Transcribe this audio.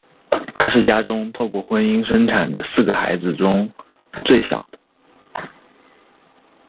他是家中透过婚姻生产的四个孩子中最小的。